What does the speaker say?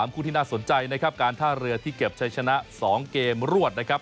คู่ที่น่าสนใจนะครับการท่าเรือที่เก็บใช้ชนะ๒เกมรวดนะครับ